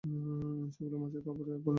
সেগুলো মাছের খাবারে পরিণত হবে।